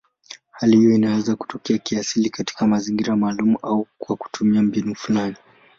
Hali hiyo inaweza kutokea kiasili katika mazingira maalumu au kwa kutumia mbinu fulani.